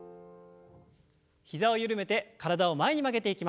膝をゆるめて体を前に曲げていきます。